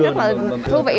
thì em thấy rất là thú vị